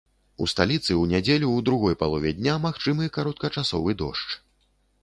У сталіцы ў нядзелю ў другой палове дня магчымы кароткачасовы дождж.